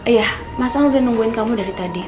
iya mas ang udah nungguin kamu dari tadi